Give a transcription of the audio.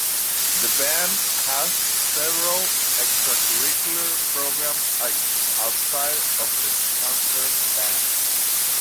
The band has several extra-curricular programs outside of the "Concert Band".